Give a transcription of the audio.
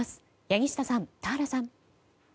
柳下さん、田原さん。